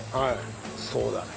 そうだね。